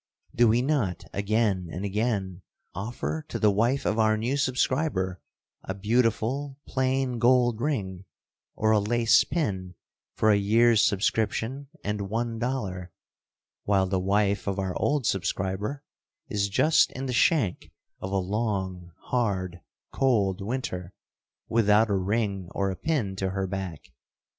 Do we not again and again offer to the wife of our new subscriber a beautiful, plain gold ring, or a lace pin for a year's subscription and $1, while the wife of our old subscriber is just in the shank of a long, hard, cold winter, without a ring or a pin to her back?